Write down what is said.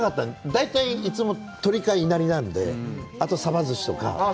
大体いつも鶏かいなりなんで、あと鯖ずしとか。